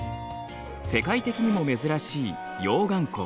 世界的にも珍しい溶岩湖。